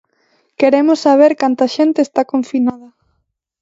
Queremos saber canta xente está confinada.